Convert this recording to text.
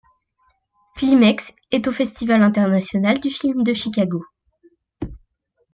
Filmex et au festival international du film de Chicago.